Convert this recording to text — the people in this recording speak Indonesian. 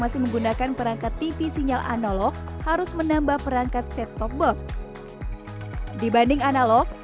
masih menggunakan perangkat tv sinyal analog harus menambah perangkat set top box dibanding analog